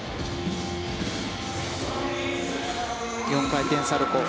４回転サルコウ。